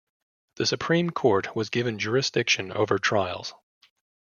The Superior Court was given jurisdiction over trials.